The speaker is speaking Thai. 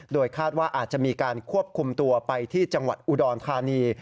โดยคาดว่าอาจจะมีการควบคุมตัวไปที่จังหวัดอุดรธานี